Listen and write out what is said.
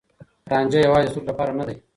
رانجه يوازې د سترګو لپاره نه دی.